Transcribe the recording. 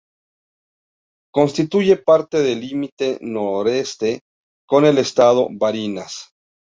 Constituye parte del límite nordeste con el Estado Barinas.